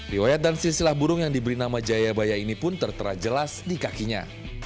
riwayat dan sisilah burung yang diberi nama jayabaya ini pun tertera jelas di kakinya